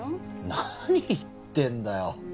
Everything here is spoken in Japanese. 何言ってんだよ